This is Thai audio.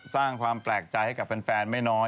สร้างความแปลกใจให้กับแฟนไม่น้อย